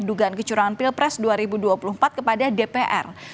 dugaan kecurangan pilpres dua ribu dua puluh empat kepada dpr